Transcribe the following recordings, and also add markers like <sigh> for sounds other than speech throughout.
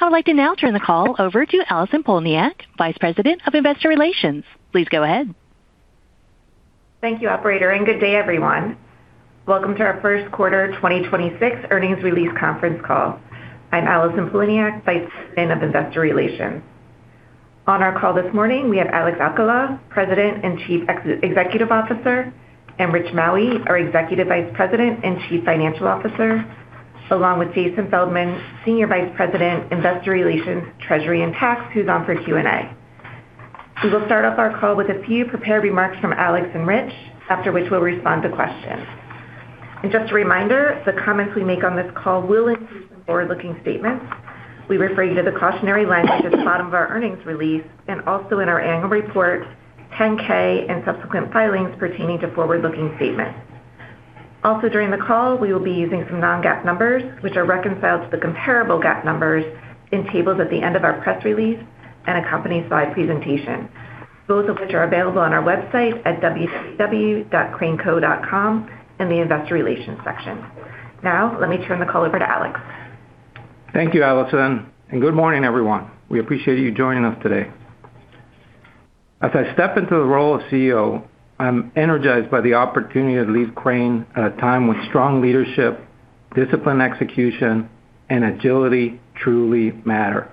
I would like to now turn the call over to Allison Poliniak-Cusic, Vice President of Investor Relations. Please go ahead. Thank you, operator, and good day everyone. Welcome to our first quarter 2026 earnings release conference call. I'm Allison Poliniak-Cusic, Vice President of Investor Relations. On our call this morning, we have Alex Alcala, President and Chief Executive Officer, and Rich Maue, our Executive Vice President and Chief Financial Officer, along with Jason Feldman, Senior Vice President, Investor Relations, Treasury and Tax, who's on for Q&A. We will start off our call with a few prepared remarks from Alex and Rich, after which we'll respond to questions. Just a reminder, the comments we make on this call will include some forward-looking statements. We refer you to the cautionary language at the bottom of our earnings release and also in our annual report, Form 10-K, and subsequent filings pertaining to forward-looking statements. During the call, we will be using some non-GAAP numbers, which are reconciled to the comparable GAAP numbers in tables at the end of our press release and accompany slide presentation, both of which are available on our website at www.craneco.com in the Investor Relations section. Let me turn the call over to Alex. Thank you, Allison, and good morning, everyone. We appreciate you joining us today. As I step into the role of CEO, I'm energized by the opportunity to lead Crane at a time when strong leadership, disciplined execution, and agility truly matter.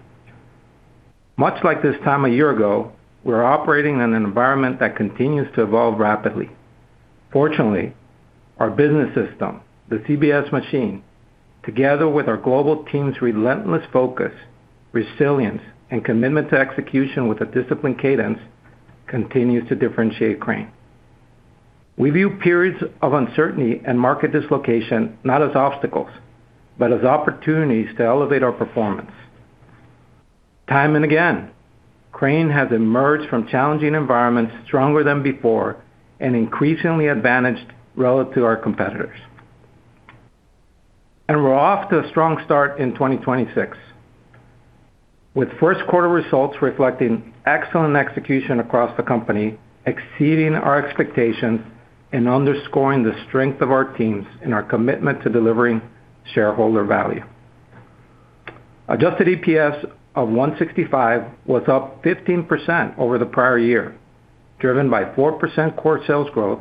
Much like this time a year ago, we're operating in an environment that continues to evolve rapidly. Fortunately, our business system, the CBS machine, together with our global team's relentless focus, resilience, and commitment to execution with a disciplined cadence, continues to differentiate Crane. We view periods of uncertainty and market dislocation not as obstacles, but as opportunities to elevate our performance. Time and again, Crane has emerged from challenging environments stronger than before and increasingly advantaged relative to our competitors. We're off to a strong start in 2026, with first quarter results reflecting excellent execution across the company, exceeding our expectations and underscoring the strength of our teams and our commitment to delivering shareholder value. Adjusted EPS of $1.65 was up 15% over the prior year, driven by 4% core sales growth,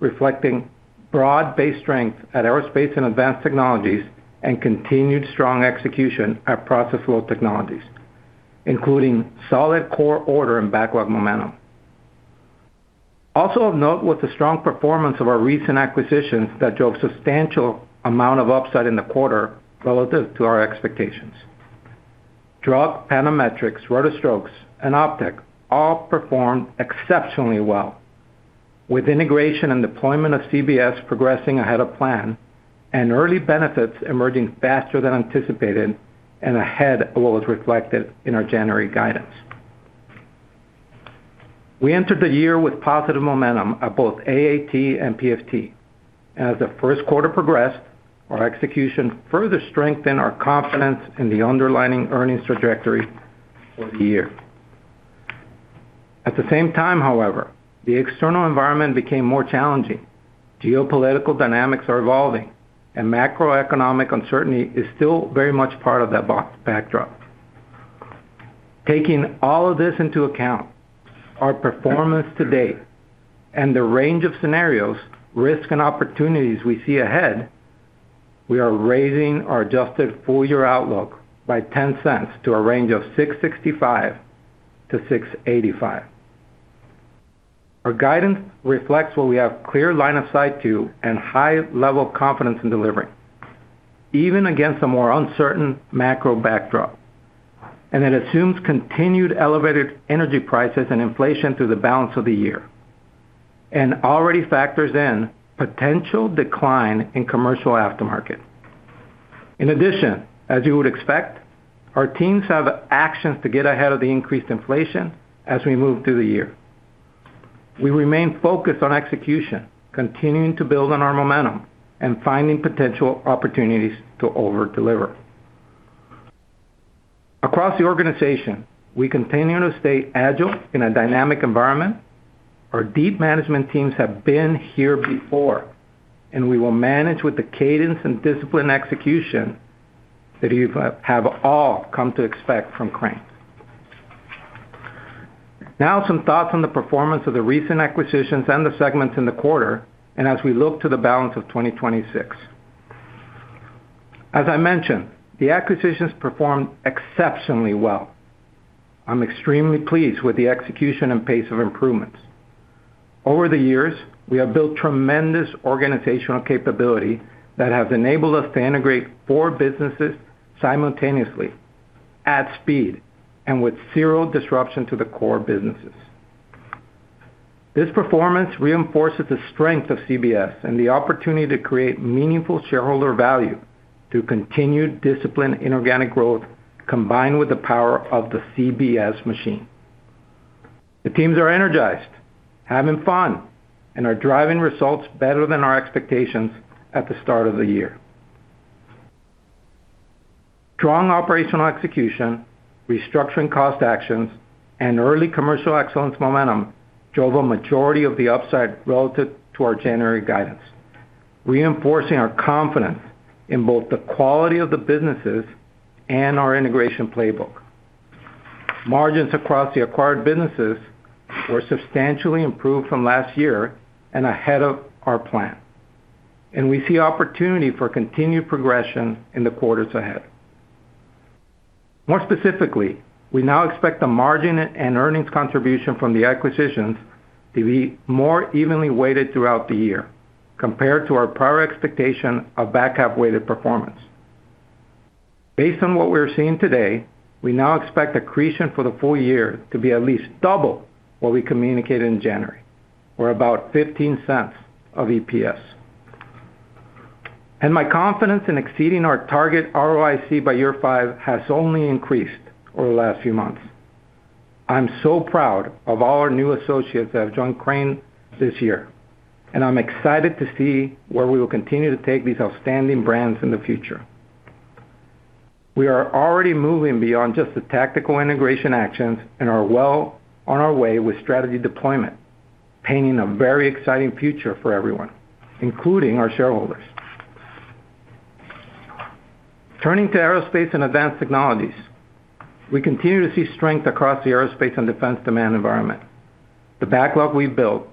reflecting broad-based strength at Aerospace & Advanced Technologies and continued strong execution at Process Flow Technologies, including solid core order and backlog momentum. Also of note was the strong performance of our recent acquisitions that drove substantial amount of upside in the quarter relative to our expectations. Druck, Panametrics, Reuter-Stokes, and optek-Danulat all performed exceptionally well, with integration and deployment of CBS progressing ahead of plan and early benefits emerging faster than anticipated and ahead of what was reflected in our January guidance. We entered the year with positive momentum at both AAT and PFT. As the first quarter progressed, our execution further strengthened our confidence in the underlying earnings trajectory for the year. At the same time, however, the external environment became more challenging. Geopolitical dynamics are evolving, and macroeconomic uncertainty is still very much part of that backdrop. Taking all of this into account, our performance to date and the range of scenarios, risks and opportunities we see ahead, we are raising our adjusted full-year outlook by $0.10 to a range of $6.65-$6.85. Our guidance reflects what we have clear line of sight to and high level of confidence in delivering, even against a more uncertain macro backdrop. It assumes continued elevated energy prices and inflation through the balance of the year, and already factors in potential decline in commercial aftermarket. In addition, as you would expect, our teams have actions to get ahead of the increased inflation as we move through the year. We remain focused on execution, continuing to build on our momentum and finding potential opportunities to over-deliver. Across the organization, we continue to stay agile in a dynamic environment. Our deep management teams have been here before, and we will manage with the cadence and disciplined execution that you've all come to expect from Crane. Now, some thoughts on the performance of the recent acquisitions and the segments in the quarter, and as we look to the balance of 2026. As I mentioned, the acquisitions performed exceptionally well. I'm extremely pleased with the execution and pace of improvements. Over the years, we have built tremendous organizational capability that has enabled us to integrate four businesses simultaneously at speed and with zero disruption to the core businesses. This performance reinforces the strength of CBS and the opportunity to create meaningful shareholder value through continued disciplined inorganic growth combined with the power of the CBS machine. The teams are energized, having fun, and are driving results better than our expectations at the start of the year. Strong operational execution, restructuring cost actions, and early commercial excellence momentum drove a majority of the upside relative to our January guidance, reinforcing our confidence in both the quality of the businesses and our integration playbook. Margins across the acquired businesses were substantially improved from last year and ahead of our plan. We see opportunity for continued progression in the quarters ahead. More specifically, we now expect the margin and earnings contribution from the acquisitions to be more evenly weighted throughout the year compared to our prior expectation of back-half-weighted performance. Based on what we're seeing today, we now expect accretion for the full year to be at least double what we communicated in January, or about $0.15 of EPS. My confidence in exceeding our target ROIC by year five has only increased over the last few months. I'm so proud of all our new associates that have joined Crane this year, and I'm excited to see where we will continue to take these outstanding brands in the future. We are already moving beyond just the tactical integration actions and are well on our way with strategy deployment, painting a very exciting future for everyone, including our shareholders. Turning to Aerospace & Advanced Technologies, we continue to see strength across the aerospace and defense demand environment. The backlog we built,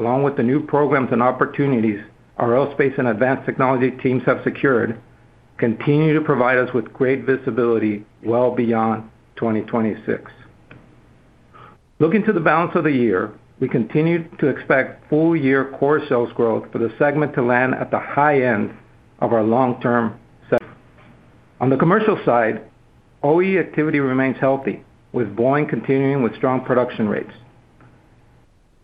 along with the new programs and opportunities our Aerospace & Advanced Technologies teams have secured, continue to provide us with great visibility well beyond 2026. Looking to the balance of the year, we continue to expect full-year core sales growth for the segment to land at the high end of our long-term set. On the commercial side, OE activity remains healthy, with Boeing continuing with strong production rates.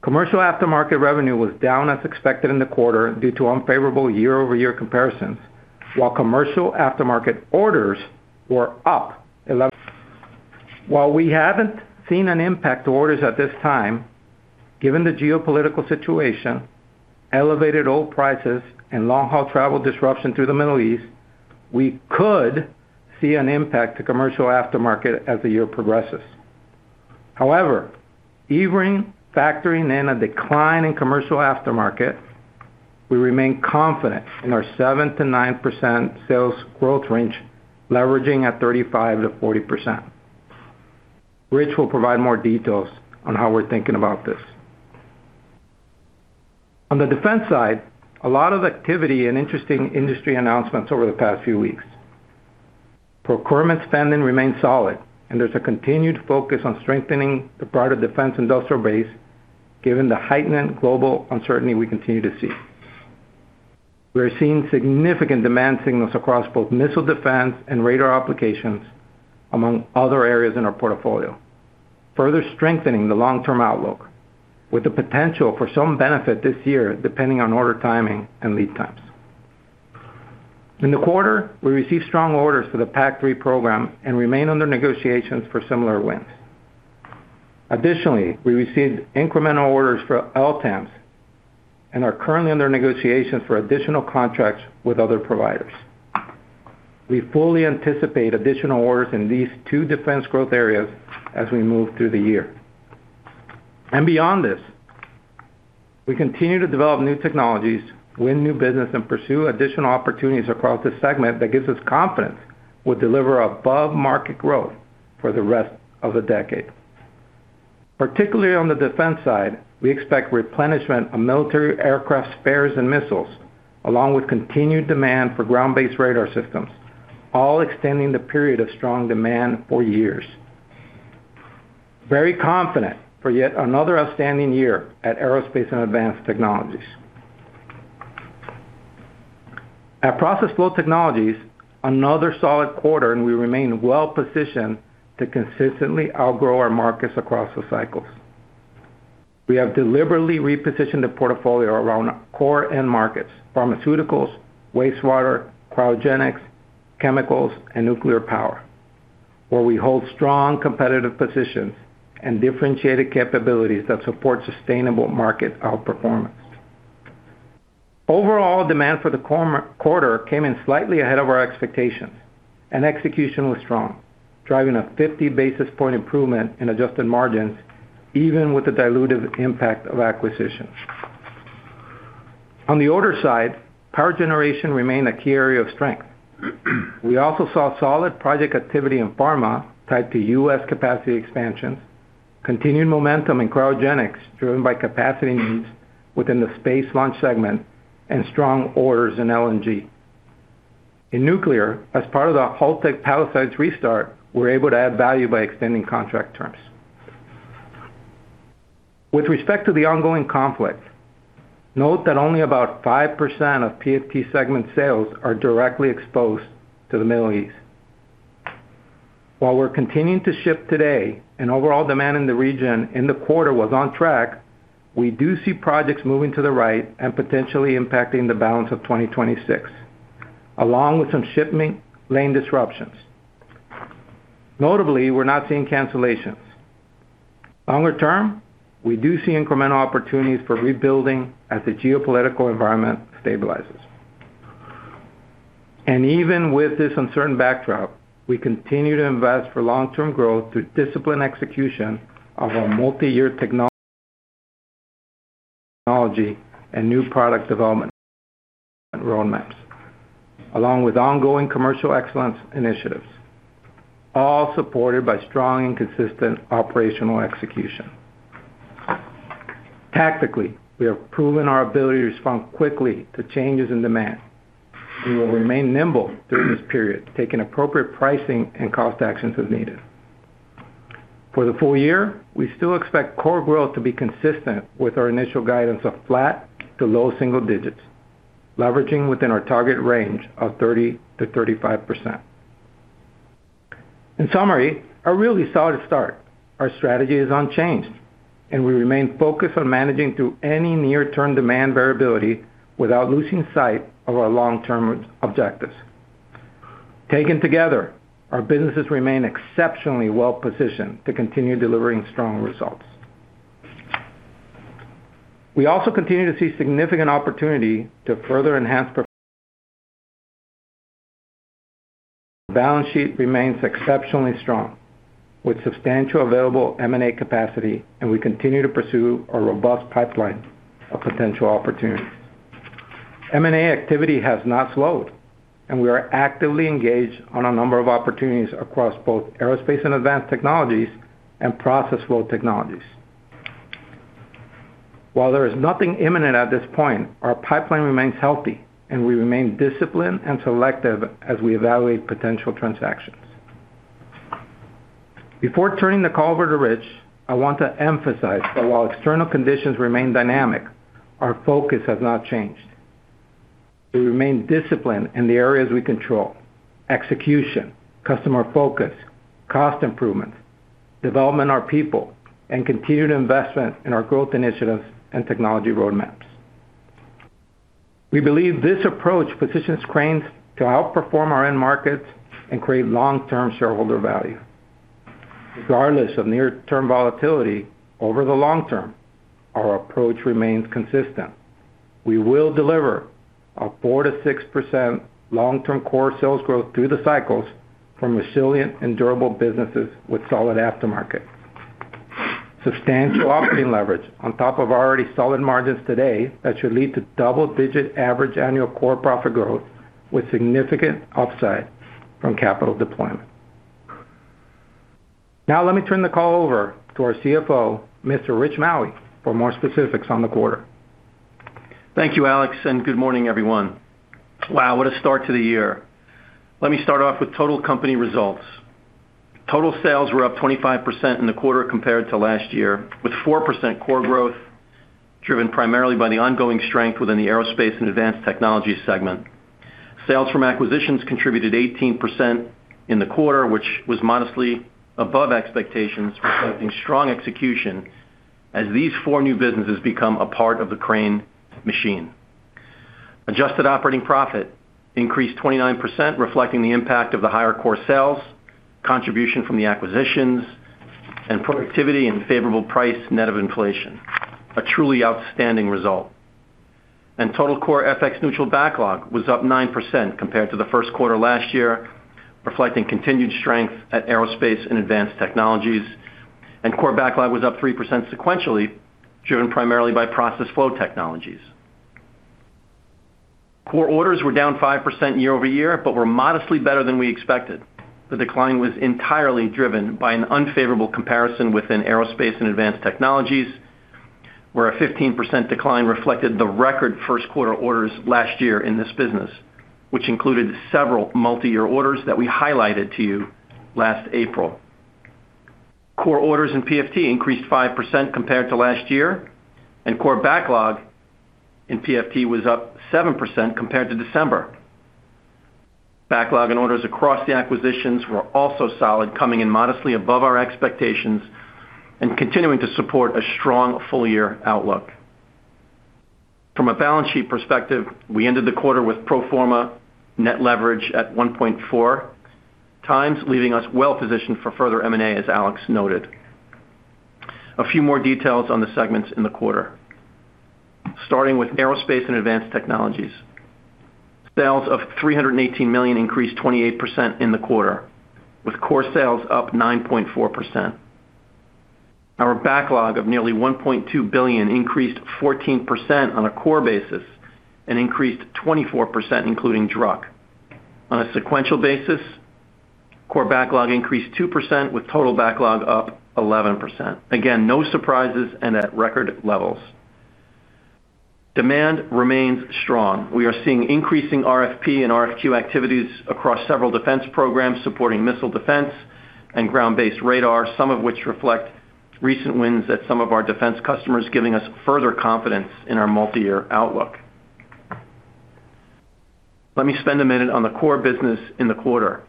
Commercial aftermarket revenue was down as expected in the quarter due to unfavorable year-over-year comparisons, while commercial aftermarket orders were up 11% <audio distortion> While we haven't seen an impact to orders at this time, given the geopolitical situation, elevated oil prices, and long-haul travel disruption through the Middle East, we could see an impact to commercial aftermarket as the year progresses. However, even factoring in a decline in commercial aftermarket, we remain confident in our 7%-9% sales growth range, leveraging at 35%-40%. Rich will provide more details on how we're thinking about this. On the defense side, a lot of activity and interesting industry announcements over the past few weeks. Procurement spending remains solid, and there's a continued focus on strengthening the broader defense industrial base, given the heightened global uncertainty we continue to see. We are seeing significant demand signals across both missile defense and radar applications, among other areas in our portfolio, further strengthening the long-term outlook, with the potential for some benefit this year, depending on order timing and lead times. In the quarter, we received strong orders for the PAC-3 program and remain under negotiations for similar wins. Additionally, we received incremental orders for LTAMDS and are currently under negotiations for additional contracts with other providers. We fully anticipate additional orders in these two defense growth areas as we move through the year. Beyond this, we continue to develop new technologies, win new business, and pursue additional opportunities across this segment that gives us confidence we'll deliver above-market growth for the rest of the decade. Particularly on the defense side, we expect replenishment of military aircraft spares and missiles, along with continued demand for ground-based radar systems, all extending the period of strong demand for years. Very confident for yet another outstanding year at Aerospace & Advanced Technologies. At Process Flow Technologies, another solid quarter, and we remain well positioned to consistently outgrow our markets across the cycles. We have deliberately repositioned the portfolio around our core end markets, pharmaceuticals, wastewater, cryogenics, chemicals, and nuclear power, where we hold strong competitive positions and differentiated capabilities that support sustainable market outperformance. Overall demand for the quarter came in slightly ahead of our expectations, and execution was strong, driving a 50 basis point improvement in adjusted margins, even with the dilutive impact of acquisitions. On the order side, power generation remained a key area of strength. We also saw solid project activity in pharma tied to U.S. capacity expansions, continued momentum in cryogenics driven by capacity needs within the space launch segment, and strong orders in LNG. In nuclear, as part of the Holtec Palisades restart, we're able to add value by extending contract terms. With respect to the ongoing conflict, note that only about 5% of PFT segment sales are directly exposed to the Middle East. While we're continuing to ship today, and overall demand in the region in the quarter was on track, we do see projects moving to the right and potentially impacting the balance of 2026, along with some shipment lane disruptions. Notably, we're not seeing cancellations. Longer term, we do see incremental opportunities for rebuilding as the geopolitical environment stabilizes. Even with this uncertain backdrop, we continue to invest for long-term growth through disciplined execution of our multi-year technology and new product development roadmaps, along with ongoing commercial excellence initiatives, all supported by strong and consistent operational execution. Tactically, we have proven our ability to respond quickly to changes in demand. We will remain nimble during this period, taking appropriate pricing and cost actions as needed. For the full year, we still expect core growth to be consistent with our initial guidance of flat to low single digits, leveraging within our target range of 30%-35%. In summary, a really solid start. Our strategy is unchanged, and we remain focused on managing through any near-term demand variability without losing sight of our long-term objectives. Taken together, our businesses remain exceptionally well-positioned to continue delivering strong results. We also continue to see significant opportunity to further enhance. <audio distortion> Balance sheet remains exceptionally strong, with substantial available M&A capacity, and we continue to pursue a robust pipeline of potential opportunities. M&A activity has not slowed, and we are actively engaged on a number of opportunities across both Aerospace & Advanced Technologies and Process Flow Technologies. While there is nothing imminent at this point, our pipeline remains healthy, and we remain disciplined and selective as we evaluate potential transactions. Before turning the call over to Rich, I want to emphasize that while external conditions remain dynamic, our focus has not changed. We remain disciplined in the areas we control, execution, customer focus, cost improvement, development of our people, and continued investment in our growth initiatives and technology roadmaps. We believe this approach positions Crane to outperform our end markets and create long-term shareholder value. Regardless of near-term volatility, over the long term, our approach remains consistent. We will deliver a 4%-6% long-term core sales growth through the cycles from resilient and durable businesses with solid aftermarket. Substantial operating leverage on top of already solid margins today that should lead to double-digit average annual core profit growth with significant upside from capital deployment. Let me turn the call over to our CFO, Mr. Rich Maue, for more specifics on the quarter. Thank you, Alex, and good morning, everyone. Wow, what a start to the year. Let me start off with total company results. Total sales were up 25% in the quarter compared to last year, with 4% core growth driven primarily by the ongoing strength within the Aerospace & Advanced Technologies segment. Sales from acquisitions contributed 18% in the quarter, which was modestly above expectations, reflecting strong execution as these four new businesses become a part of the Crane machine. Adjusted operating profit increased 29%, reflecting the impact of the higher core sales, contribution from the acquisitions, and productivity and favorable price net of inflation. A truly outstanding result. Total core FX-neutral backlog was up 9% compared to the first quarter last year, reflecting continued strength at Aerospace & Advanced Technologies, and core backlog was up 3% sequentially, driven primarily by Process Flow Technologies. Core orders were down 5% year-over-year but were modestly better than we expected. The decline was entirely driven by an unfavorable comparison within Aerospace & Advanced Technologies, where a 15% decline reflected the record first quarter orders last year in this business, which included several multiyear orders that we highlighted to you last April. Core orders in PFT increased 5% compared to last year, and core backlog in PFT was up 7% compared to December. Backlog and orders across the acquisitions were also solid, coming in modestly above our expectations and continuing to support a strong full-year outlook. From a balance sheet perspective, we ended the quarter with pro forma net leverage at 1.4x, leaving us well-positioned for further M&A, as Alex noted. A few more details on the segments in the quarter. Starting with Aerospace & Advanced Technologies. Sales of $318 million increased 28% in the quarter, with core sales up 9.4%. Our backlog of nearly $1.2 billion increased 14% on a core basis and increased 24% including Druck. On a sequential basis, core backlog increased 2% with total backlog up 11%. Again, no surprises and at record levels. Demand remains strong. We are seeing increasing RFP and RFQ activities across several defense programs supporting missile defense and ground-based radar, some of which reflect recent wins at some of our defense customers, giving us further confidence in our multiyear outlook. Let me spend a minute on the core business in the quarter.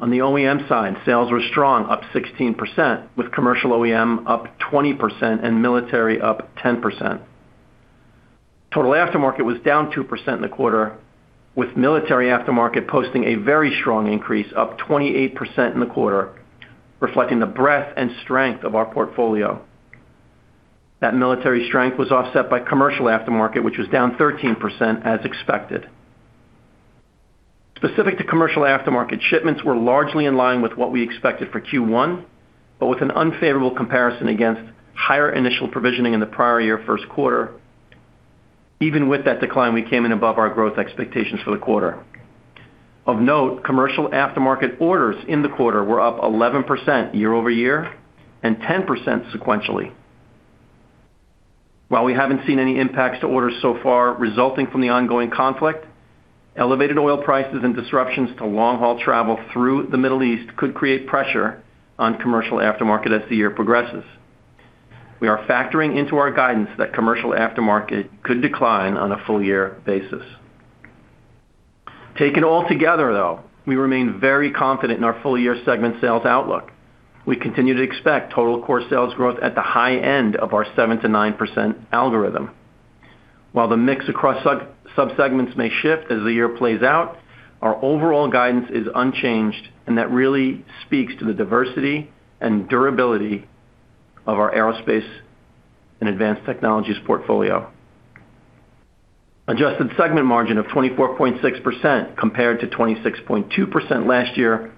On the OEM side, sales were strong, up 16%, with commercial OEM up 20% and military up 10%. Total aftermarket was down 2% in the quarter, with military aftermarket posting a very strong increase, up 28% in the quarter, reflecting the breadth and strength of our portfolio. That military strength was offset by commercial aftermarket, which was down 13% as expected. Specific to commercial aftermarket, shipments were largely in line with what we expected for Q1, but with an unfavorable comparison against higher initial provisioning in the prior year first quarter. Even with that decline, we came in above our growth expectations for the quarter. Of note, commercial aftermarket orders in the quarter were up 11% year-over-year and 10% sequentially. While we haven't seen any impacts to orders so far resulting from the ongoing conflict, elevated oil prices and disruptions to long-haul travel through the Middle East could create pressure on commercial aftermarket as the year progresses. We are factoring into our guidance that commercial aftermarket could decline on a full year basis. Taken all together, though, we remain very confident in our full-year segment sales outlook. We continue to expect total core sales growth at the high end of our 7%-9% algorithm. While the mix across sub-segments may shift as the year plays out, our overall guidance is unchanged, and that really speaks to the diversity and durability of our Aerospace & Advanced Technologies portfolio. Adjusted segment margin of 24.6% compared to 26.2% last year,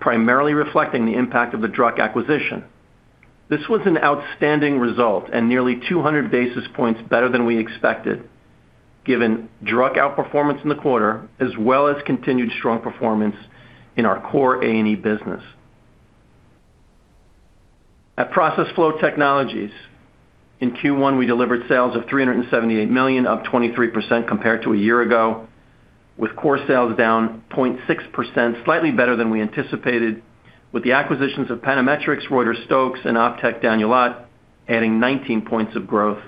primarily reflecting the impact of the Druck acquisition. This was an outstanding result and nearly 200 basis points better than we expected, given Druck outperformance in the quarter as well as continued strong performance in our core A&E business. At Process Flow Technologies, in Q1, we delivered sales of $378 million, up 23% compared to a year ago, with core sales down 0.6%, slightly better than we anticipated, with the acquisitions of Panametrics, Reuter-Stokes, and optek-Danulat adding 19 points of growth,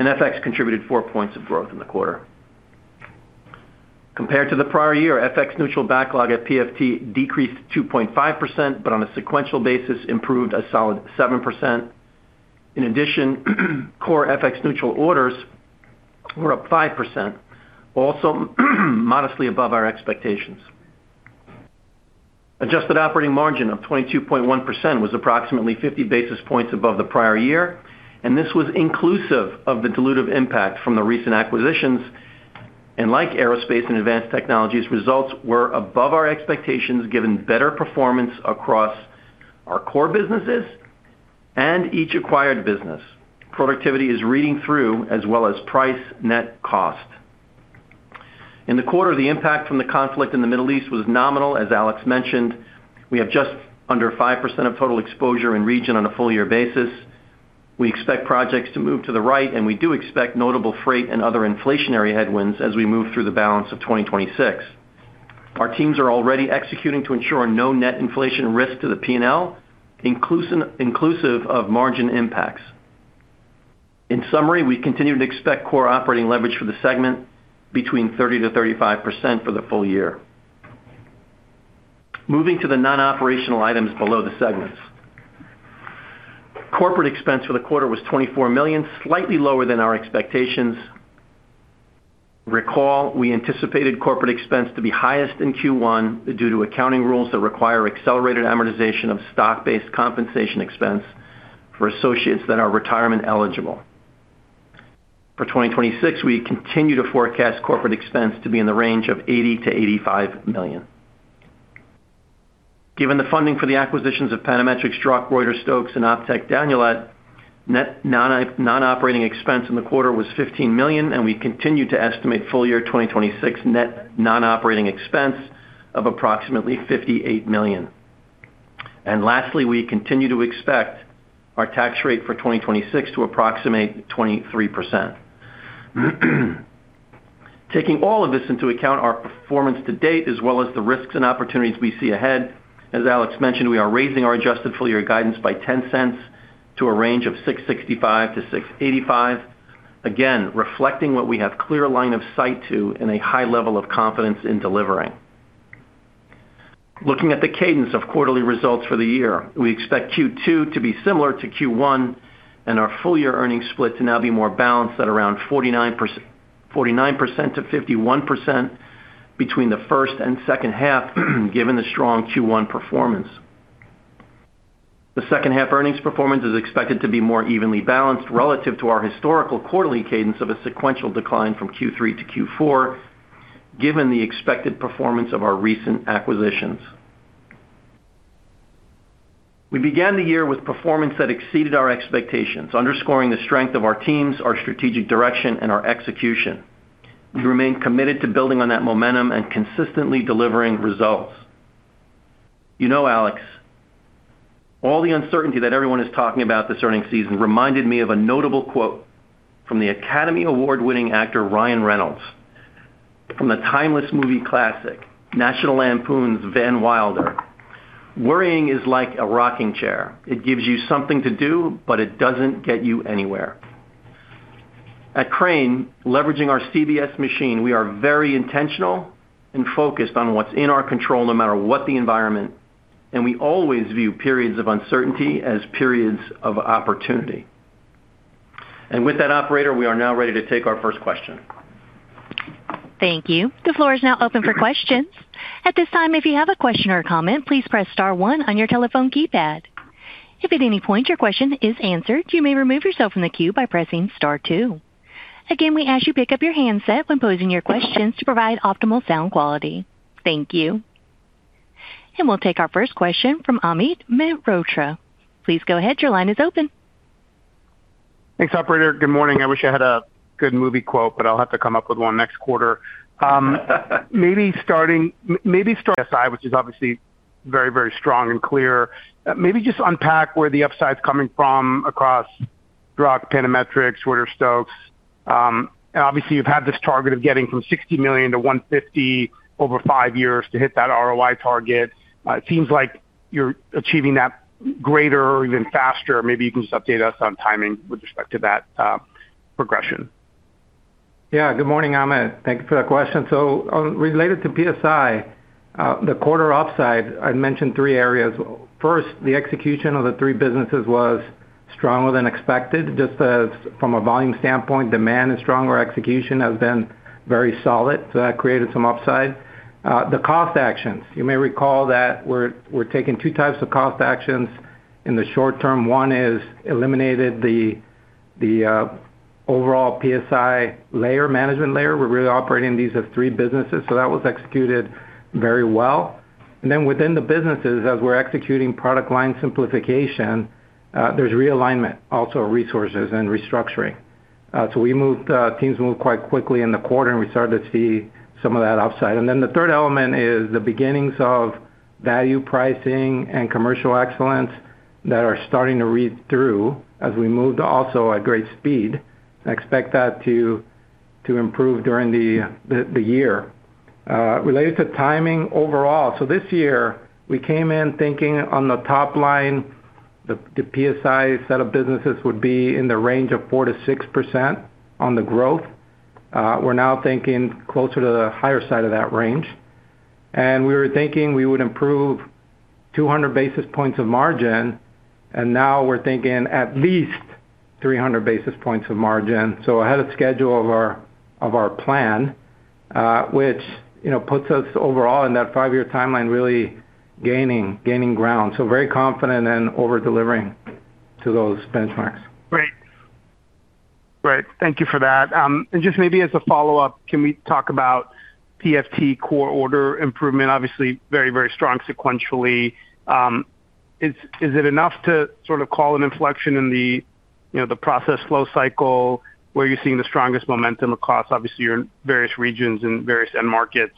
and FX contributed four points of growth in the quarter. Compared to the prior year, FX-neutral backlog at PFT decreased 2.5%, but on a sequential basis, improved a solid 7%. In addition, core FX-neutral orders were up 5%, also modestly above our expectations. Adjusted operating margin of 22.1% was approximately 50 basis points above the prior year, this was inclusive of the dilutive impact from the recent acquisitions. Like Aerospace & Advanced Technologies, results were above our expectations, given better performance across our core businesses and each acquired business. Productivity is reading through as well as price net cost. In the quarter, the impact from the conflict in the Middle East was nominal, as Alex mentioned. We have just under 5% of total exposure in region on a full-year basis. We expect projects to move to the right, we do expect notable freight and other inflationary headwinds as we move through the balance of 2026. Our teams are already executing to ensure no net inflation risk to the P&L, inclusive of margin impacts. In summary, we continue to expect core operating leverage for the segment between 30%-35% for the full year. Moving to the non-operational items below the segments. Corporate expense for the quarter was $24 million, slightly lower than our expectations. Recall, we anticipated corporate expense to be highest in Q1 due to accounting rules that require accelerated amortization of stock-based compensation expense for associates that are retirement eligible. For 2026, we continue to forecast corporate expense to be in the range of $80 million-$85 million. Given the funding for the acquisitions of Panametrics, Druck, Reuter-Stokes, and optek-Danulat, net non-operating expense in the quarter was $15 million. We continue to estimate full-year 2026 net non-operating expense of approximately $58 million. Lastly, we continue to expect our tax rate for 2026 to approximate 23%. Taking all of this into account, our performance to date, as well as the risks and opportunities we see ahead, as Alex mentioned, we are raising our adjusted full-year guidance by $0.10 to a range of $6.65-$6.85, again, reflecting what we have clear line of sight to and a high level of confidence in delivering. Looking at the cadence of quarterly results for the year, we expect Q2 to be similar to Q1, and our full-year earnings split to now be more balanced at around 49%, 49%-51% between the first and second half, given the strong Q1 performance. The second half earnings performance is expected to be more evenly balanced relative to our historical quarterly cadence of a sequential decline from Q3 to Q4, given the expected performance of our recent acquisitions. We began the year with performance that exceeded our expectations, underscoring the strength of our teams, our strategic direction, and our execution. We remain committed to building on that momentum and consistently delivering results. You know, Alex, all the uncertainty that everyone is talking about this earnings season reminded me of a notable quote from the Academy Award-winning actor, Ryan Reynolds, from the timeless movie classic, National Lampoon's Van Wilder. "Worrying is like a rocking chair. It gives you something to do, but it doesn't get you anywhere." At Crane, leveraging our CBS machine, we are very intentional and focused on what's in our control no matter what the environment, and we always view periods of uncertainty as periods of opportunity. With that, operator, we are now ready to take our first question. Thank you. The floor is now open for questions. At this time if you have a question or comment, please press star one on your telephone keypad. Should there be any point your question is answer you may remove yourself from the queue by pressing star two. Again, we ask you pick up your handset when posing your questions to provide optimal sound quality. Thank you. We'll take our first question from Amit Mehrotra. Please go ahead. Your line is open. Thanks, operator. Good morning. I wish I had a good movie quote, but I'll have to come up with one next quarter. Maybe start PSI, which is obviously very strong and clear. maybe just unpack where the upside's coming from across Druck, Panametrics, Reuter-Stokes. obviously, you've had this target of getting from $60 million to $150 million over five years to hit that ROI target. it seems like you're achieving that greater or even faster. Maybe you can just update us on timing with respect to that progression. Good morning, Amit. Thank you for that question. Related to PSI, the quarter upside, I mentioned three areas. First, the execution of the three businesses was stronger than expected, just as from a volume standpoint, demand is stronger, execution has been very solid, so that created some upside. The cost actions. You may recall that we're taking two types of cost actions in the short term. One is eliminated the overall PSI layer, management layer. We're really operating these as three businesses, so that was executed very well. Within the businesses, as we're executing product line simplification, there's realignment also of resources and restructuring. Teams moved quite quickly in the quarter, and we started to see some of that upside. The third element is the beginnings of value pricing and commercial excellence that are starting to read through as we moved also at great speed. I expect that to improve during the year. Related to timing overall, this year we came in thinking on the top line, the PSI set of businesses would be in the range of 4%-6% on the growth. We're now thinking closer to the higher side of that range. We were thinking we would improve 200 basis points of margin, and now we're thinking at least 300 basis points of margin. Ahead of schedule of our plan, which, you know, puts us overall in that five-year timeline really gaining ground. Very confident and over-delivering to those benchmarks. Great. Great. Thank you for that. Just maybe as a follow-up, can we talk about PFT core order improvement? Obviously very, very strong sequentially. Is it enough to sort of call an inflection in the, you know, the Process Flow cycle where you're seeing the strongest momentum across obviously your various regions and various end markets?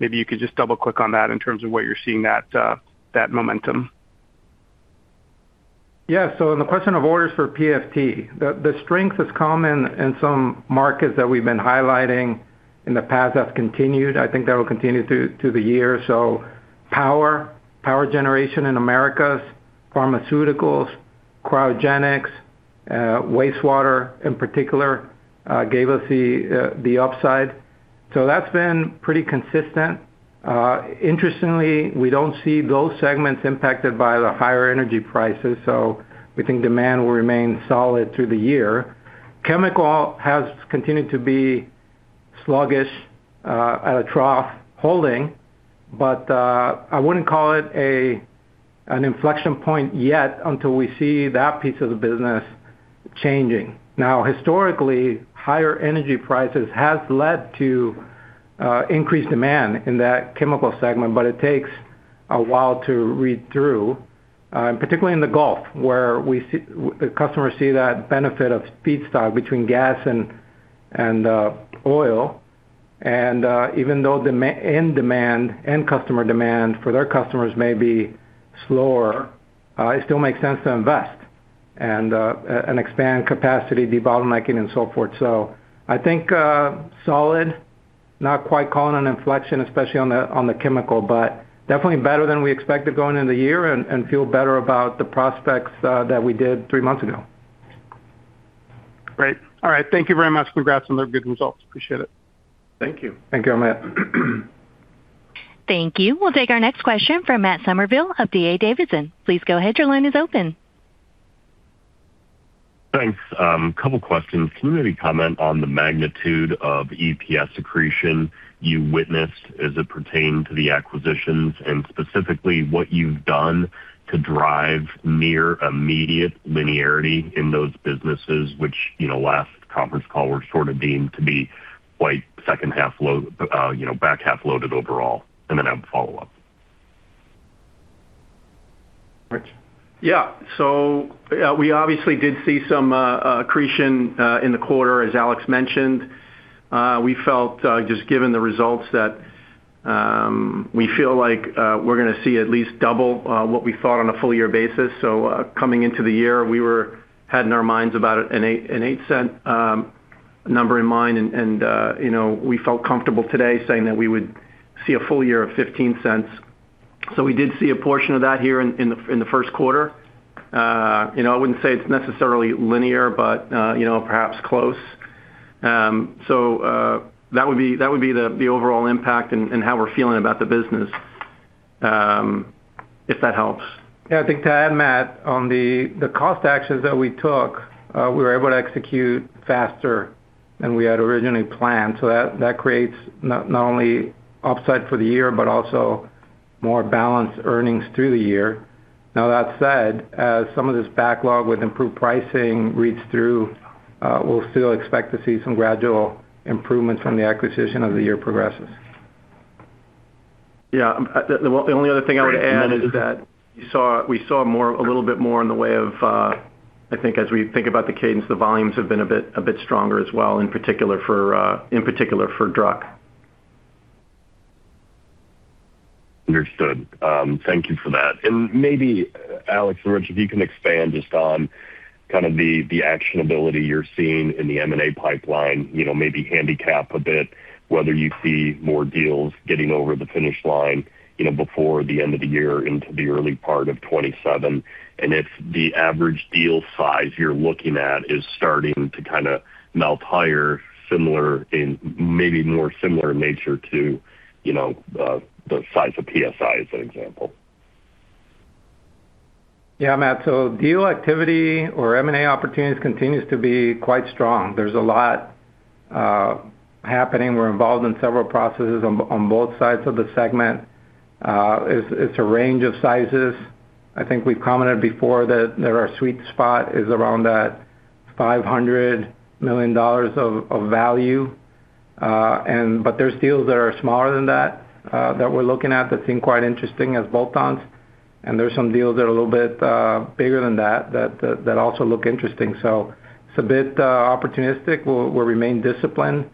Maybe you could just double-click on that in terms of where you're seeing that momentum. Yeah. On the question of orders for PFT, the strength has come in some markets that we've been highlighting in the past, that's continued. I think that will continue through the year. Power generation in Americas, pharmaceuticals, cryogenics, wastewater in particular, gave us the upside. That's been pretty consistent. Interestingly, we don't see those segments impacted by the higher energy prices, we think demand will remain solid through the year. Chemical has continued to be sluggish, at a trough holding, I wouldn't call it an inflection point yet until we see that piece of the business changing. Historically, higher energy prices has led to increased demand in that chemical segment, but it takes a while to read through, and particularly in the Gulf, where the customers see that benefit of feedstock between gas and oil. Even though end-customer demand for their customers may be slower, it still makes sense to invest and expand capacity, debottlenecking and so forth. I think solid, not quite calling an inflection, especially on the chemical, but definitely better than we expected going into the year and feel better about the prospects that we did three months ago. Great. All right. Thank you very much. Congrats on their good results. Appreciate it. Thank you. Thank you, Amit. Thank you. We'll take our next question from Matt Summerville of D.A. Davidson. Please go ahead. Your line is open. Thanks. Couple questions. Can you maybe comment on the magnitude of EPS accretion you witnessed as it pertained to the acquisitions, and specifically what you've done to drive near immediate linearity in those businesses, which, you know, last conference call were sort of deemed to be quite second half load, you know, back half loaded overall? Then I have a follow-up. Rich. Yeah. We obviously did see some accretion in the quarter, as Alex mentioned. We felt, just given the results that we feel like we're gonna see at least double what we thought on a full-year basis. Coming into the year, we had in our minds about an $0.08 number in mind and, you know, we felt comfortable today saying that we would see a full year of $0.15. We did see a portion of that here in the first quarter. You know, I wouldn't say it's necessarily linear, but, you know, perhaps close. That would be the overall impact and how we're feeling about the business. If that helps. Yeah, I think to add, Matt, on the cost actions that we took, we were able to execute faster than we had originally planned. That creates not only upside for the year, but also more balanced earnings through the year. Now that said, as some of this backlog with improved pricing reads through, we'll still expect to see some gradual improvements from the acquisition as the year progresses. The only other thing I would add is that we saw more, a little bit more in the way of, I think as we think about the cadence, the volumes have been a bit stronger as well, in particular for Druck. Understood. Thank you for that. Maybe, Alex or Rich, if you can expand just on kind of the actionability you're seeing in the M&A pipeline, you know, maybe handicap a bit whether you see more deals getting over the finish line, you know, before the end of the year into the early part of 2027. If the average deal size you're looking at is starting to kind of melt higher, maybe more similar in nature to, you know, the size of PSI, as an example. Matt. Deal activity or M&A opportunities continues to be quite strong. There's a lot happening. We're involved in several processes on both sides of the segment. It's a range of sizes. I think we've commented before that our sweet spot is around that $500 million of value. There's deals that are smaller than that that we're looking at that seem quite interesting as bolt-ons. There's some deals that are a little bit bigger than that that also look interesting. It's a bit opportunistic. We'll remain disciplined.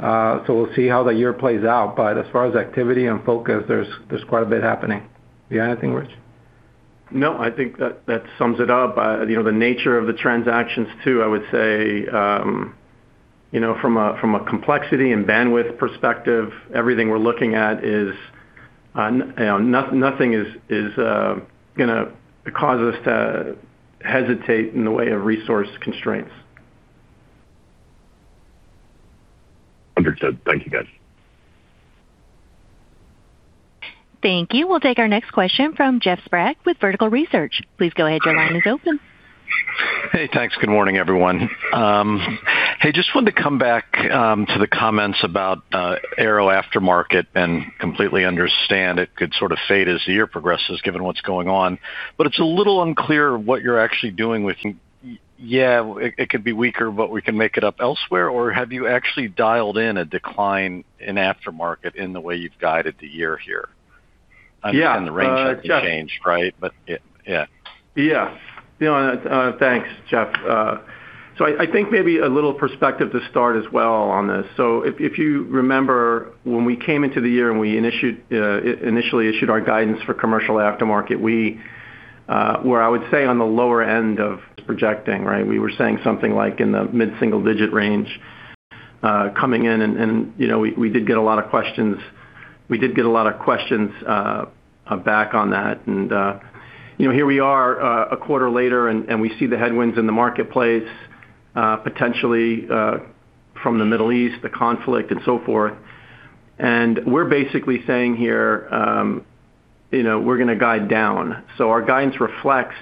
We'll see how the year plays out. As far as activity and focus, there's quite a bit happening. You have anything, Rich? No, I think that sums it up. You know, the nature of the transactions too, I would say, you know, from a, from a complexity and bandwidth perspective, everything we're looking at is, you know, nothing is gonna cause us to hesitate in the way of resource constraints. Understood. Thank you, guys. Thank you. We'll take our next question from Jeff Sprague with Vertical Research. Please go ahead, your line is open. Hey, thanks. Good morning, everyone. Hey, just wanted to come back to the comments about aero aftermarket and completely understand it could sort of fade as the year progresses given what's going on. It's a little unclear what you're actually doing. It could be weaker, but we can make it up elsewhere, or have you actually dialed in a decline in aftermarket in the way you've guided the year here? Yeah. Jeff. Understand the range hasn't changed, right? Yeah. Yeah. You know, thanks, Jeff. I think maybe a little perspective to start as well on this. If you remember when we came into the year and we initiated, initially issued our guidance for commercial aftermarket, we were, I would say, on the lower end of projecting, right? We were saying something like in the mid-single digit range coming in. You know, we did get a lot of questions back on that. You know, here we are a quarter later and we see the headwinds in the marketplace potentially from the Middle East, the conflict and so forth. We're basically saying here, you know, we're gonna guide down. Our guidance reflects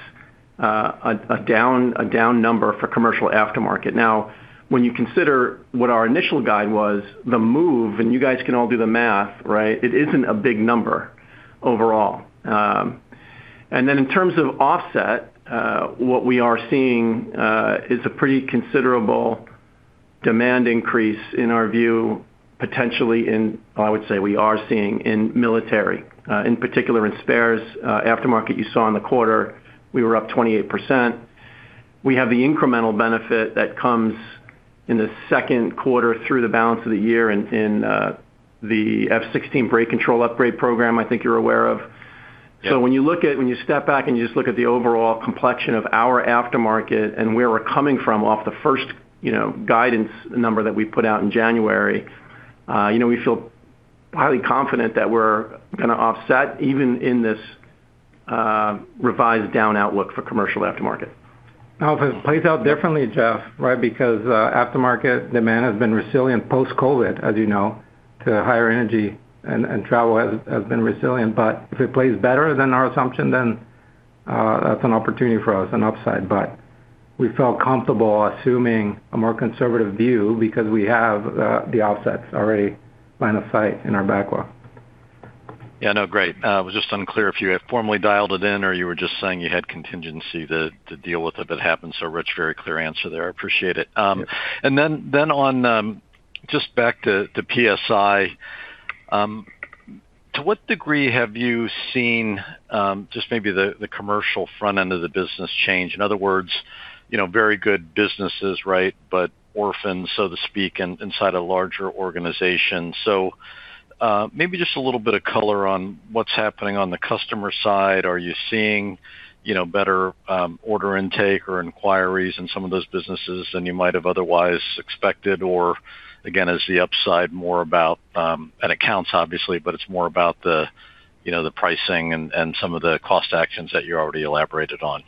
a down number for commercial aftermarket. When you consider what our initial guide was, the move, and you guys can all do the math, right? It isn't a big number overall. In terms of offset, what we are seeing is a pretty considerable demand increase in our view, I would say we are seeing in military, in particular in spares. Aftermarket, you saw in the quarter, we were up 28%. We have the incremental benefit that comes in the second quarter through the balance of the year in the F-16 brake control upgrade program I think you're aware of. Yeah. When you step back and you just look at the overall complexion of our aftermarket and where we're coming from off the first, you know, guidance number that we put out in January, you know, we feel highly confident that we're gonna offset even in this revised down outlook for commercial aftermarket. If it plays out differently, Jeff, right? Because aftermarket demand has been resilient post-COVID, as you know, to higher energy and travel has been resilient. If it plays better than our assumption, then that's an opportunity for us, an upside. We felt comfortable assuming a more conservative view because we have the offsets already line of sight in our backlog. Yeah. No, great. was just unclear if you had formally dialed it in or you were just saying you had contingency to deal with if it happens. Rich, very clear answer there. I appreciate it. Yeah. Just back to PSI, to what degree have you seen the commercial front end of the business change? In other words, you know, very good businesses, right? Orphans, so to speak, inside a larger organization. Maybe just a little bit of color on what's happening on the customer side. Are you seeing, you know, better order intake or inquiries in some of those businesses than you might have otherwise expected? Again, is the upside more about accounts obviously, but it's more about the, you know, the pricing and some of the cost actions that you already elaborated on?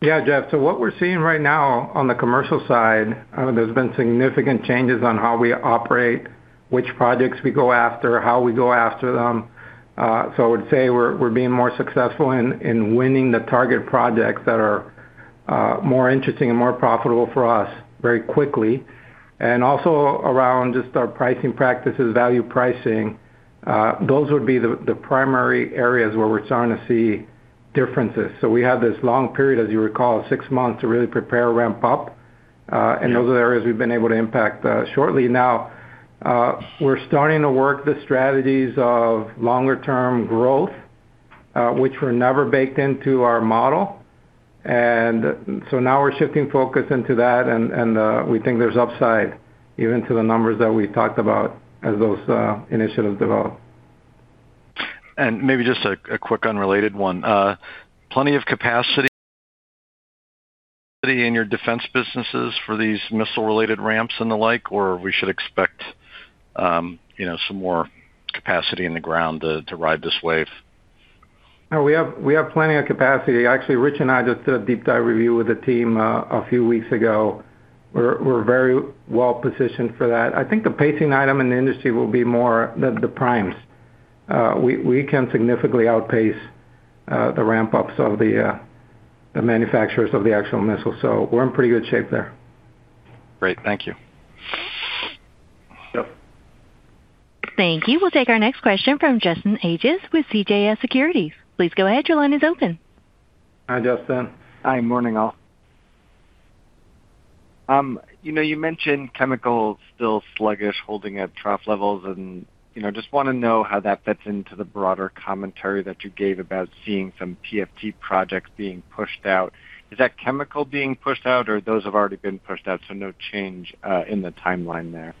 Yeah, Jeff. What we're seeing right now on the commercial side, there's been significant changes on how we operate, which projects we go after, how we go after them. I would say we're being more successful in winning the target projects that are more interesting and more profitable for us very quickly. Also around just our pricing practices, value pricing, those would be the primary areas where we're starting to see differences. We have this long period, as you recall, six months to really prepare, ramp up. Yeah Those are the areas we've been able to impact, shortly. Now, we're starting to work the strategies of longer term growth, which were never baked into our model. Now we're shifting focus into that, and, we think there's upside even to the numbers that we talked about as those initiatives develop. Maybe just a quick unrelated one. Plenty of capacity in your defense businesses for these missile-related ramps and the like, or we should expect, you know, some more capacity in the ground to ride this wave? We have plenty of capacity. Actually, Rich and I just did a deep dive review with the team a few weeks ago. We're very well-positioned for that. I think the pacing item in the industry will be more the primes. We can significantly outpace the ramp-ups of the manufacturers of the actual missile, so we're in pretty good shape there. Great. Thank you. Yep. Thank you. We'll take our next question from Justin Ages with CJS Securities. Please go ahead. Your line is open. Hi, Justin. Hi, morning all. You know, you mentioned chemical still sluggish, holding at trough levels, and you know, just wanna know how that fits into the broader commentary that you gave about seeing some PFT projects being pushed out. Is that chemical being pushed out, or those have already been pushed out, so no change in the timeline there?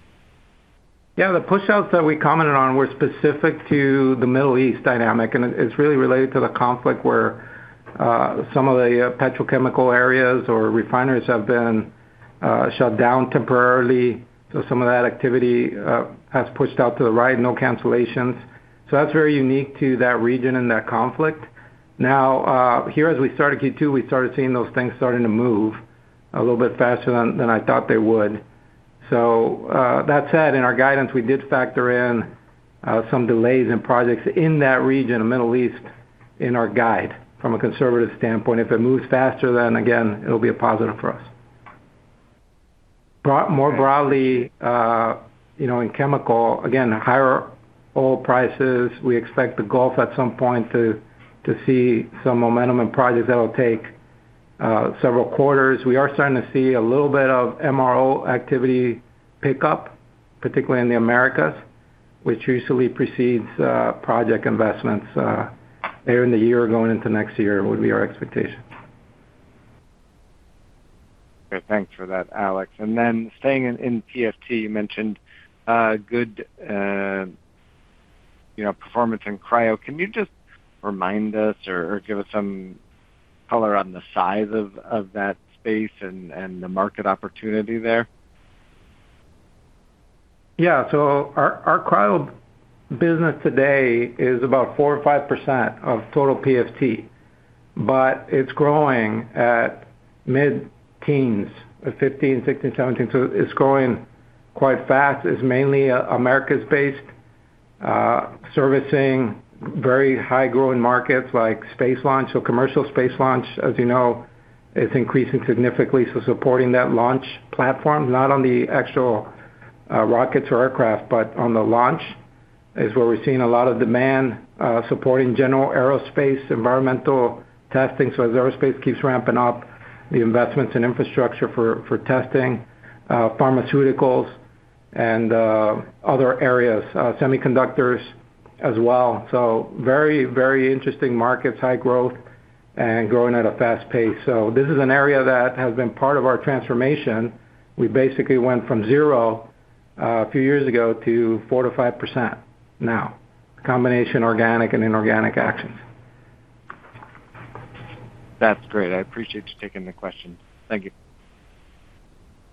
Yeah, the pushouts that we commented on were specific to the Middle East dynamic, and it's really related to the conflict where some of the petrochemical areas or refineries have been shut down temporarily. Some of that activity has pushed out to the right, no cancellations. That's very unique to that region and that conflict. Here as we started Q2, we started seeing those things starting to move a little bit faster than I thought they would. That said, in our guidance, we did factor in some delays in projects in that region, the Middle East, in our guide from a conservative standpoint. If it moves faster, again, it'll be a positive for us. More broadly, you know, in chemical, again, higher oil prices. We expect the Gulf at some point to see some momentum and projects that'll take several quarters. We are starting to see a little bit of MRO activity pick up, particularly in the Americas, which usually precedes project investments later in the year going into next year would be our expectation. Okay, thanks for that, Alex. Staying in PFT, you mentioned good, you know, performance in cryo. Can you just remind us or give us some color on the size of that space and the market opportunity there? Our cryo business today is about 4% or 5% of total PFT, but it's growing at mid-teens, 15%, 16%, 17%. It's growing quite fast. It's mainly Americas-based, servicing very high-growing markets like space launch. Commercial space launch, as you know, is increasing significantly. Supporting that launch platform, not on the actual rockets or aircraft, but on the launch is where we're seeing a lot of demand, supporting general aerospace environmental testing. As aerospace keeps ramping up the investments in infrastructure for testing, pharmaceuticals and other areas, semiconductors as well. Very, very interesting markets, high growth, and growing at a fast pace. This is an area that has been part of our transformation. We basically went from 0% a few years ago to 4%-5% now, combination organic and inorganic actions. That's great. I appreciate you taking the question. Thank you.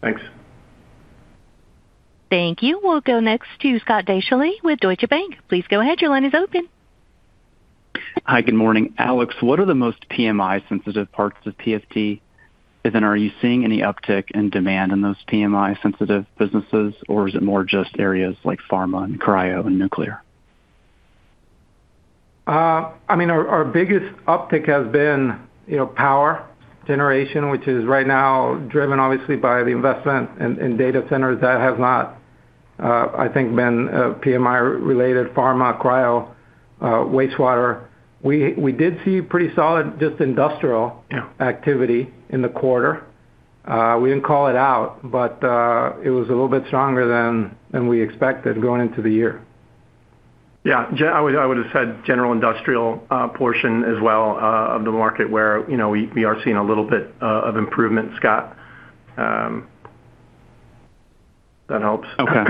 Thanks. Thank you. We'll go next to Scott Deuschle with Deutsche Bank. Please go ahead. Your line is open. Hi. Good morning. Alex, what are the most PMI-sensitive parts of PFT? Are you seeing any uptick in demand in those PMI-sensitive businesses, or is it more just areas like pharma and cryo and nuclear? I mean, our biggest uptick has been, you know, power generation, which is right now driven obviously by the investment in data centers. That has not, I think, been PMI-related pharma, cryo, wastewater. We did see pretty solid just industrial. Yeah activity in the quarter. We didn't call it out, but it was a little bit stronger than we expected going into the year. Yeah. I would've said general industrial portion as well of the market where, you know, we are seeing a little bit of improvement, Scott, if that helps. Okay.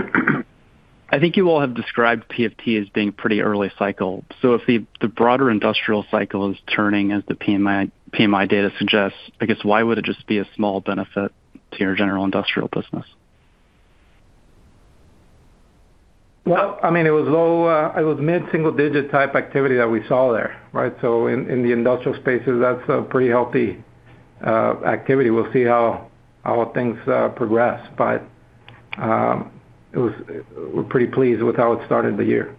I think you all have described PFT as being pretty early cycle. If the broader industrial cycle is turning as the PMI data suggests, I guess why would it just be a small benefit to your general industrial business? Well, I mean, it was low, it was mid-single digit type activity that we saw there, right? In the industrial spaces, that's a pretty healthy activity. We'll see how things progress. We're pretty pleased with how it started the year.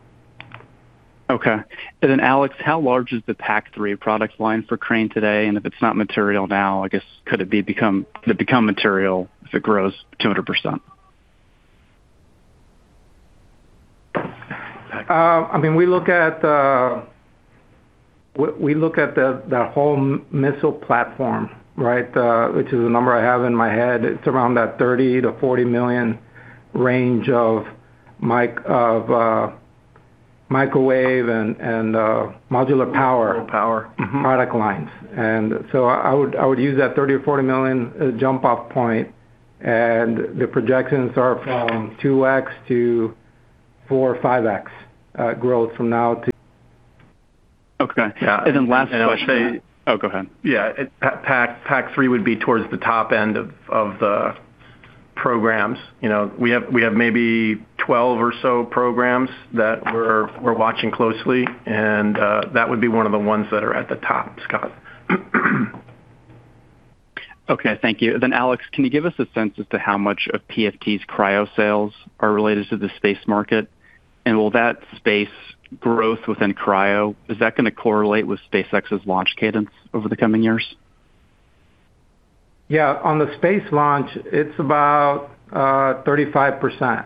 Okay. Alex, how large is the PAC-3 product line for Crane today? If it's not material now, I guess could it become material if it grows 200%? I mean, we look at the whole missile platform, right? Which is a number I have in my head. It's around that $30 million-$40 million range of microwave and modular power- Modular power. ...product lines. I would use that $30 million or $40 million as a jump off point, and the projections are from 2x to 4x or 5x growth from now to. Okay. Yeah. Last question? I'd say- Oh, go ahead. Yeah. PAC-3 would be towards the top end of the programs. You know, we have maybe 12 or so programs that we're watching closely. That would be one of the ones that are at the top, Scott. Okay. Thank you. Alex, can you give us a sense as to how much of PFT's cryo sales are related to the space market? Will that space growth within cryo, is that gonna correlate with SpaceX's launch cadence over the coming years? Yeah. On the space launch, it's about 35%.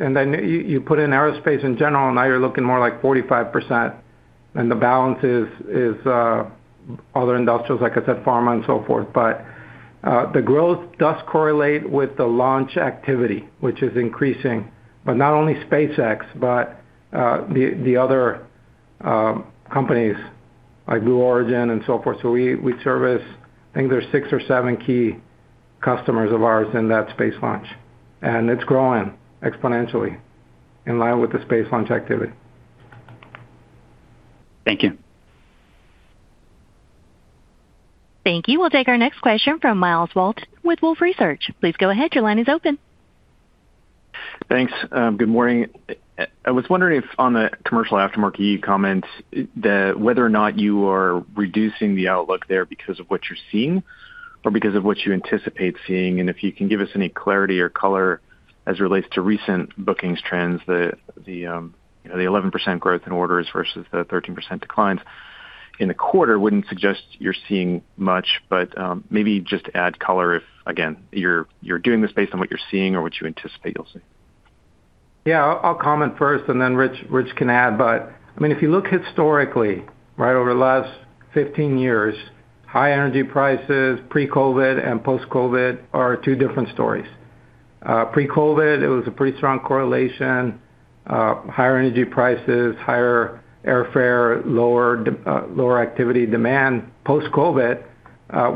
Then you put in aerospace in general, now you're looking more like 45%, and the balance is other industrials, like I said, pharma and so forth. The growth does correlate with the launch activity, which is increasing. Not only SpaceX, but the other companies like Blue Origin and so forth. We service, I think there's six or seven key customers of ours in that space launch. It's growing exponentially in line with the space launch activity. Thank you. Thank you. We'll take our next question from Myles Walton with Wolfe Research. Please go ahead. Your line is open. Thanks. Good morning. I was wondering if on the commercial aftermarket, you comment whether or not you are reducing the outlook there because of what you're seeing or because of what you anticipate seeing, and if you can give us any clarity or color as it relates to recent bookings trends. The, you know, the 11% growth in orders versus the 13% declines in the quarter wouldn't suggest you're seeing much. Maybe just add color if, again, you're doing this based on what you're seeing or what you anticipate you'll see. Yeah. I'll comment first and then Rich can add. I mean, if you look historically, right over the last 15 years, high energy prices, pre-COVID and post-COVID are two different stories. Pre-COVID, it was a pretty strong correlation. Higher energy prices, higher airfare, lower activity demand. Post-COVID,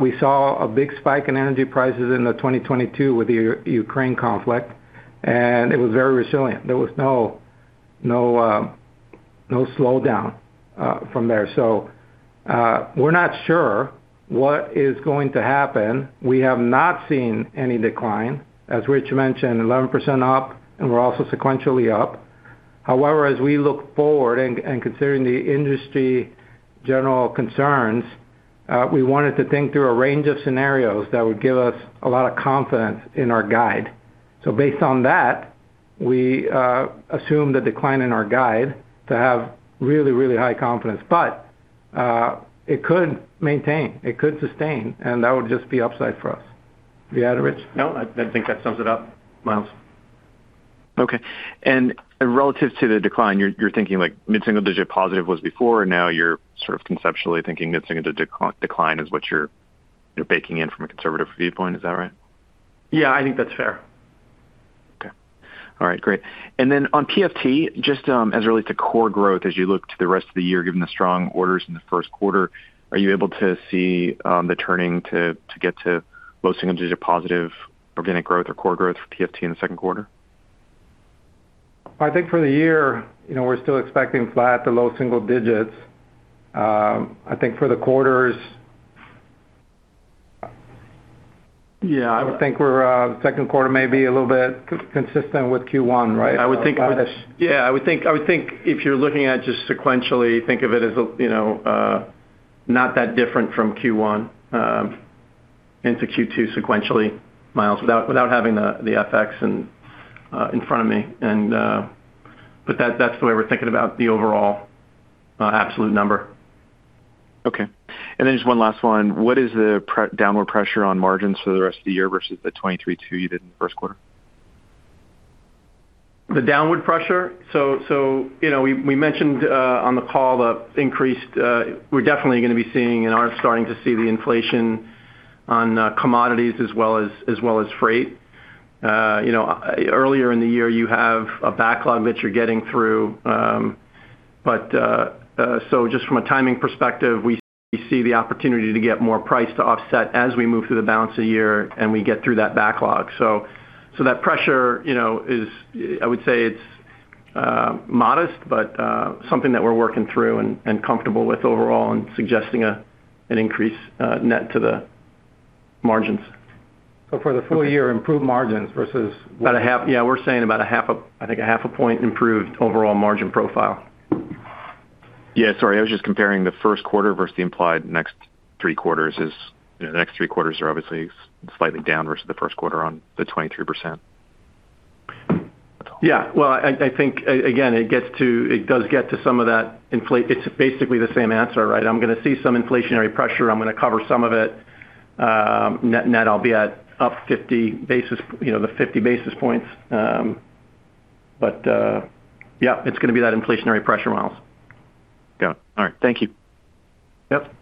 we saw a big spike in energy prices in 2022 with the Ukraine conflict, and it was very resilient. There was no slowdown from there. We're not sure what is going to happen. We have not seen any decline. As Rich mentioned, 11% up, and we're also sequentially up. However, as we look forward and considering the industry general concerns, we wanted to think through a range of scenarios that would give us a lot of confidence in our guide. Based on that, we assume the decline in our guide to have really high confidence. It could maintain, it could sustain, and that would just be upside for us. You have anything to add Rich? No, I think that sums it up, Myles. Okay. Relative to the decline, you're thinking like mid-single-digit positive was before, and now you're sort of conceptually thinking mid-single-digit decline is what you're baking in from a conservative viewpoint. Is that right? Yeah, I think that's fair. Okay. All right, great. On PFT, just as it relates to core growth as you look to the rest of the year, given the strong orders in the first quarter, are you able to see the turning to get to low single-digit positive organic growth or core growth for PFT in the second quarter? I think for the year, you know, we're still expecting flat to low single digits. Yeah. I would think we're, second quarter may be a little bit consistent with Q1, right? <crosstalk> Yeah. I would think if you're looking at just sequentially, think of it as a, you know, not that different from Q1 into Q2 sequentially, Myles, without having the FX in front of me. That's the way we're thinking about the overall absolute number. Okay. Just one last one. What is the downward pressure on margins for the rest of the year versus the 23.2% you did in the first quarter? The downward pressure? You know, we mentioned on the call the increased, we're definitely gonna be seeing and are starting to see the inflation on commodities as well as freight. You know, earlier in the year, you have a backlog that you're getting through. Just from a timing perspective, we see the opportunity to get more price to offset as we move through the balance of the year and we get through that backlog. That pressure, you know, is, I would say it's modest, but something that we're working through and comfortable with overall and suggesting a an increase net to the margins. For the full year, improved margins versus- About a half. Yeah, we're saying about a half a point improved overall margin profile. Yeah, sorry. I was just comparing the first quarter versus the implied next three quarters is, you know, the next three quarters are obviously slightly down versus the first quarter on the 23%. That's all. Yeah. Well, I think again, it does get to some of that. It's basically the same answer, right? I'm gonna see some inflationary pressure. I'm gonna cover some of it, net, I'll be at up 50 basis, you know, the 50 basis points. Yeah, it's gonna be that inflationary pressure, Myles. Got it. All right. Thank you. Yep.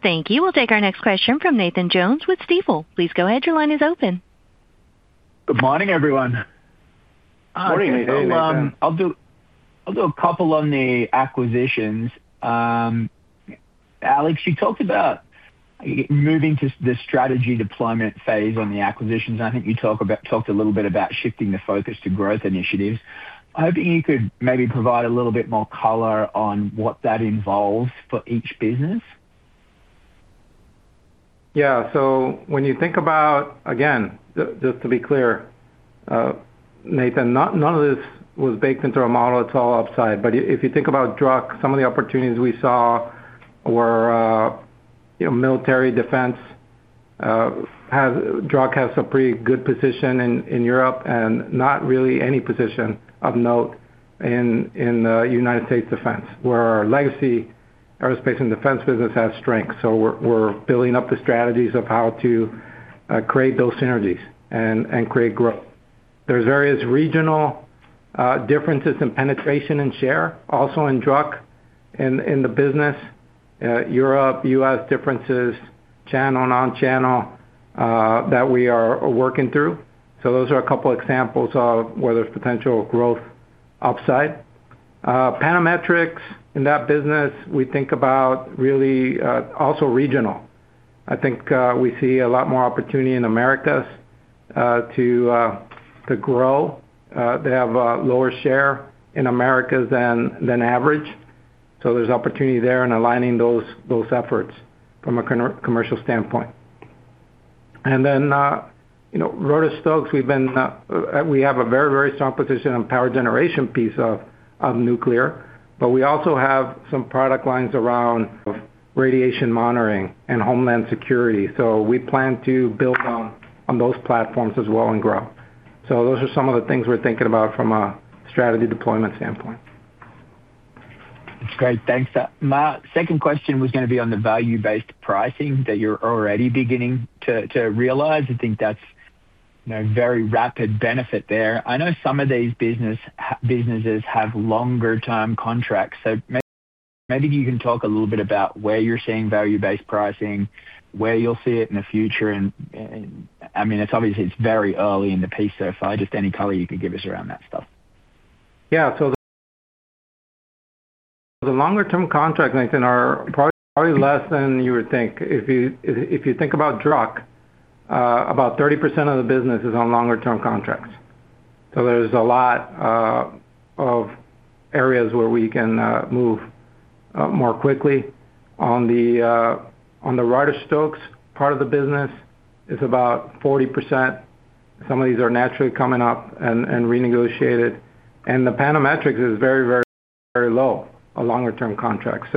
Thank you. We'll take our next question from Nathan Jones with Stifel. Please go ahead. Your line is open. Good morning, everyone. <crosstalk> I'll do a couple on the acquisitions. Alex, you talked about moving to the strategy deployment phase on the acquisitions. I think you talked a little bit about shifting the focus to growth initiatives. I'm hoping you could maybe provide a little bit more color on what that involves for each business. Yeah. When you think about... Again, just to be clear, Nathan, none of this was baked into our model. It's all upside. If you think about Druck, some of the opportunities we saw were, you know, military defense, Druck has a pretty good position in Europe and not really any position of note in the U.S. defense, where our legacy aerospace and defense business has strength. We're building up the strategies of how to create those synergies and create growth. There's various regional differences in penetration and share, also in Druck in the business, Europe, U.S. differences, channel, non-channel, that we are working through. Those are a couple examples of where there's potential growth upside. Panametrics, in that business, we think about really, also regional. I think, we see a lot more opportunity in Americas to grow. They have a lower share in Americas than average. There's opportunity there in aligning those efforts from a commercial standpoint. Then, you know, Reuter-Stokes, we've been, we have a very strong position on power generation piece of nuclear, but we also have some product lines around radiation monitoring and homeland security. We plan to build on those platforms as well and grow. Those are some of the things we're thinking about from a strategy deployment standpoint. That's great. Thanks. My second question was going to be on the value-based pricing that you're already beginning to realize. I think that's, you know, very rapid benefit there. I know some of these businesses have longer term contracts. Maybe you can talk a little bit about where you're seeing value-based pricing, where you'll see it in the future. I mean, it's obviously it's very early in the piece so far, just any color you could give us around that stuff. Yeah. The longer term contract length are probably less than you would think. If you, if you think about Druck, about 30% of the business is on longer-term contracts. There's a lot of areas where we can move more quickly. On the Reuter-Stokes part of the business, it's about 40%. Some of these are naturally coming up and renegotiated. The Panametrics is very, very, very low on longer term contracts.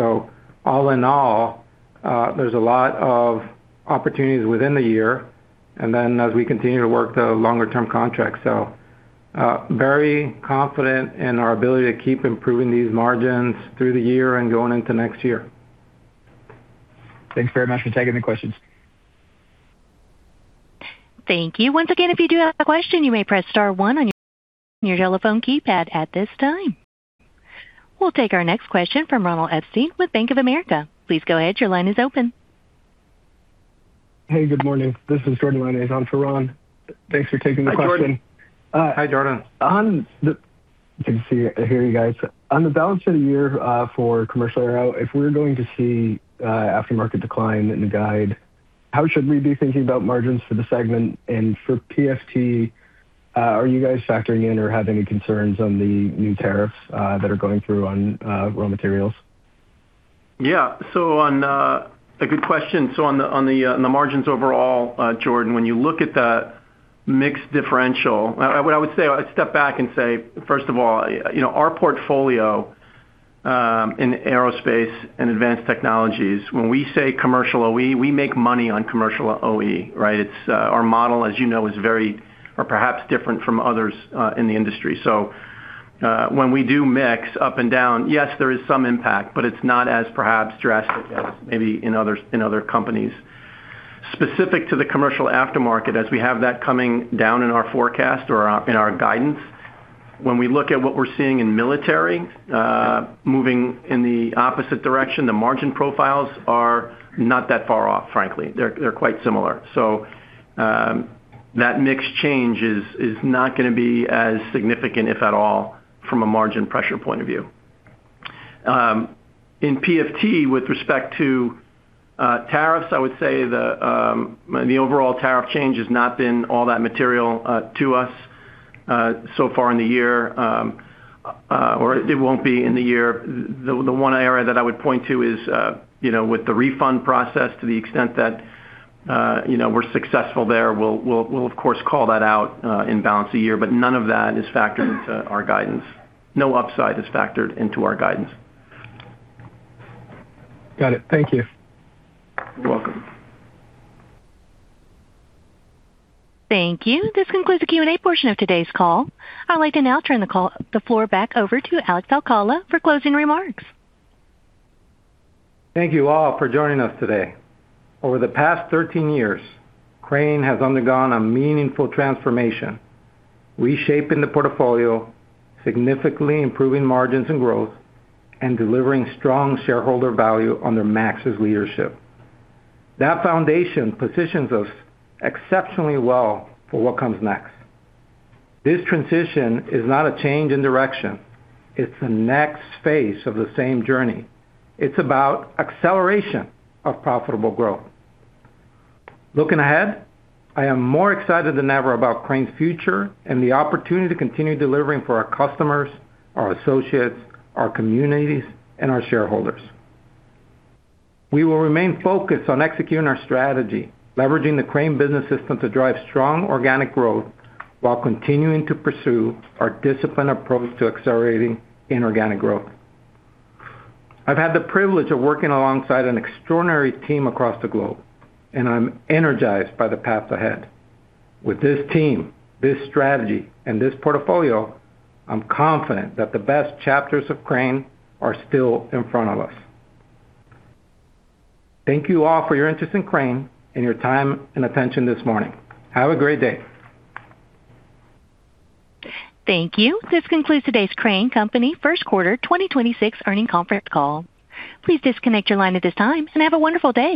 All in all, there's a lot of opportunities within the year, and then as we continue to work the longer term contracts. Very confident in our ability to keep improving these margins through the year and going into next year. Thanks very much for taking the questions. Thank you. Once again, if you do have a question, you may press star one on your telephone keypad at this time. We'll take our next question from Ronald Epstein with Bank of America. Please go ahead. Your line is open. Hey, good morning. This is Jordan Lyonnais on for Ron. Thanks for taking the question. Hi, Jordan. Good to see you, hear you guys. On the balance of the year, for commercial aero, if we're going to see aftermarket decline in the guide, how should we be thinking about margins for the segment? For PFT, are you guys factoring in or have any concerns on the new tariffs that are going through on raw materials? Yeah. A good question. On the margins overall, Jordan, when you look at the mix differential, I would say, I'd step back and say, first of all, you know, our portfolio in Aerospace & Advanced Technologies, when we say commercial OE, we make money on commercial OE, right? It's our model, as you know, is very or perhaps different from others in the industry. When we do mix up and down, yes, there is some impact, but it's not as perhaps drastic as maybe in others, in other companies. Specific to the commercial aftermarket, as we have that coming down in our forecast or in our guidance, when we look at what we're seeing in military, moving in the opposite direction, the margin profiles are not that far off, frankly. They're quite similar. That mix change is not gonna be as significant, if at all, from a margin pressure point of view. In PFT with respect to tariffs, I would say the overall tariff change has not been all that material to us so far in the year, or it won't be in the year. The one area that I would point to is, you know, with the refund process to the extent that, you know, we're successful there, we'll of course call that out in balance a year. None of that is factored into our guidance. No upside is factored into our guidance. Got it. Thank you. You're welcome. Thank you. This concludes the Q&A portion of today's call. I'd like to now turn the floor back over to Alex Alcala for closing remarks. Thank you all for joining us today. Over the past 13 years, Crane has undergone a meaningful transformation, reshaping the portfolio, significantly improving margins and growth, and delivering strong shareholder value under Max's leadership. That foundation positions us exceptionally well for what comes next. This transition is not a change in direction, it's the next phase of the same journey. It's about acceleration of profitable growth. Looking ahead, I am more excited than ever about Crane's future and the opportunity to continue delivering for our customers, our associates, our communities, and our shareholders. We will remain focused on executing our strategy, leveraging the Crane business system to drive strong organic growth while continuing to pursue our disciplined approach to accelerating inorganic growth. I've had the privilege of working alongside an extraordinary team across the globe, and I'm energized by the path ahead. With this team, this strategy, and this portfolio, I'm confident that the best chapters of Crane are still in front of us. Thank you all for your interest in Crane and your time and attention this morning. Have a great day. Thank you. This concludes today's Crane Company first quarter 2026 earnings conference call. Please disconnect your line at this time and have a wonderful day.